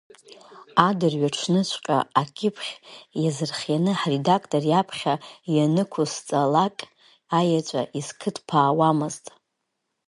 Адырҩаҽныҵәҟьа акьыԥхь иазырхианы ҳредақтор иаԥхьа ианнықәысҵалакь, аеҵәа изкыдԥаауамызт.